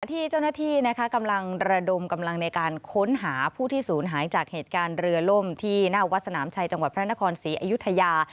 ที่เจ้าหน้าที่กำลังระดมกำลังในการค้นหาผู้ที่ศูนย์หายจากเหตุการณ์เรือล่มที่หน้าวัดสนามชัยจังหวัดพระนครศรีอยุธยา